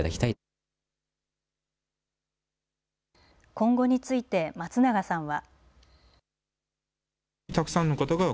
今後について、松永さんは。